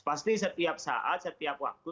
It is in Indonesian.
pasti setiap saat setiap waktu